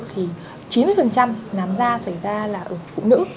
thì chín mươi nám da xảy ra là ở phụ nữ